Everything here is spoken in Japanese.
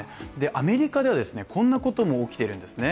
アメリカでは、こんなことも起きてるんですね。